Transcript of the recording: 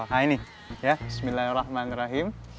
nah ini ya bismillahirrahmanirrahim